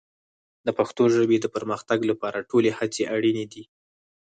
د پښتو ژبې د پرمختګ لپاره ټولې هڅې اړین دي.